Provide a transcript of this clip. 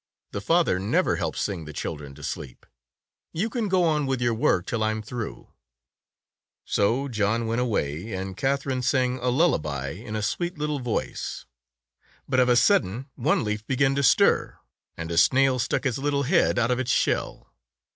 The father never helps sing the children to sleep. You can go on with your work till I'm through." So John went away, and Katherine sang a lullaby in a sweet little voice. But of a sudden one leaf began to stir, and a snail stuck its little head out of its shell.